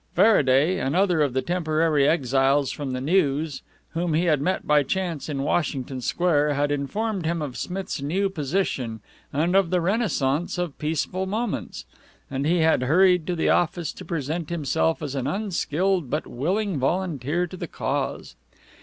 Faraday, another of the temporary exiles from the News, whom he had met by chance in Washington Square, had informed him of Smith's new position and of the renaissance of Peaceful Moments, and he had hurried to the office to present himself as an unskilled but willing volunteer to the cause.